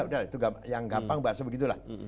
udah itu yang gampang bahasa begitulah